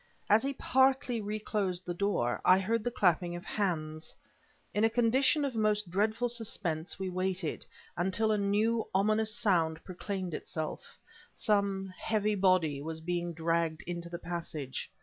As he partly reclosed the door, I heard the clapping of hands. In a condition of most dreadful suspense, we waited; until a new, ominous sound proclaimed itself. Some heavy body was being dragged into the passage.